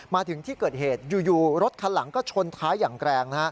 มาถึงที่เกิดเหตุอยู่รถคันหลังก็ชนท้ายอย่างแรง